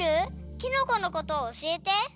きのこのことをおしえて。